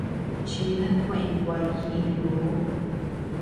Chida kuey guay jiyuu.